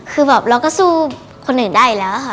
คือแบบเราก็สู้คนอื่นได้แล้วค่ะ